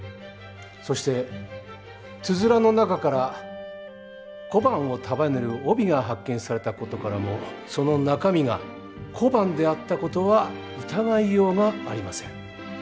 そしてつづらの中から小判を束ねる帯が発見された事からもその中身が小判であった事は疑いようがありません。